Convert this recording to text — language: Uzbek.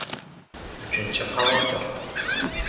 Uchinchi xavotir.